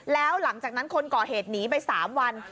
แล้วหลังจากนั้นคนก่อเหตุหนีไป๓วัน